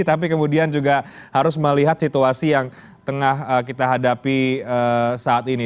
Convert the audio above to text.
tapi kemudian juga harus melihat situasi yang tengah kita hadapi saat ini